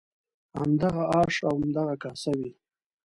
همدغه آش او همدغه کاسه وي.